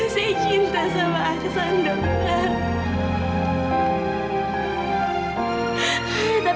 saya cinta sama aksan dokter